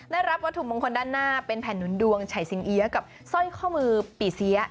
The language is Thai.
ได้รับวัตถุมงคลด้านหน้าเป็นแผ่นหนุนดวงชัยสิงเอี๊ยกับสร้อยข้อมือปี่เสีย